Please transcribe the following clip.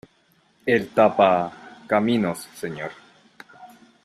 el tapa --- caminos, señor.